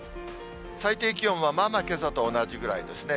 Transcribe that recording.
最低気温はまあまあけさと同じくらいですね。